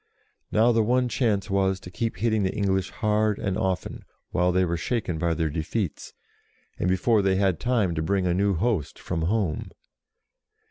Now the one chance was to keep hitting the English hard and often, while they were shaken by their defeats, and before they had time to bring a new host from home.